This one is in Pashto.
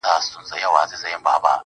• په رڼا كي يې پر زړه ځانمرگى وسي.